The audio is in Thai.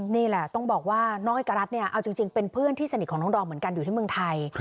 นี่แหละต้องบอกว่าน้องเอกรัฐเนี่ยเอาจริงเป็นเพื่อนที่สนิทของน้องดอมเหมือนกันอยู่ที่เมืองไทย